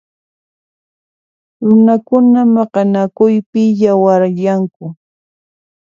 Runakuna maqanakuypi yawaryanku.